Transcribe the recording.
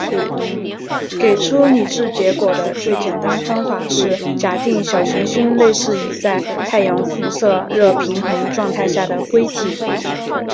给出理智结果的最简单方法是假定小行星类似于在太阳辐射热平衡状态下的灰体。